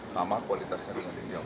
sama kualitasnya dengan yang